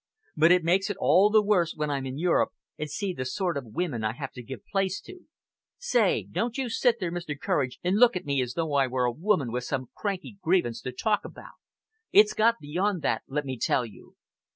But it makes it all the worse when I'm in Europe, and see the sort of women I have to give place to. Say, don't you sit there, Mr. Courage, and look at me as though I were a woman with some cranky grievance to talk about. It's got beyond that, let me tell you!"